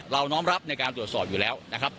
น้อมรับในการตรวจสอบอยู่แล้วนะครับ